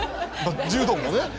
柔道もね。